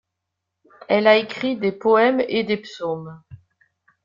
Elle a écrit des poèmes et des psaumes.